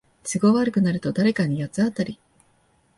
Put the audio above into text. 都合悪くなると誰かに八つ当たり